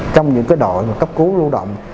trong những cái đội mà cấp cứu lưu động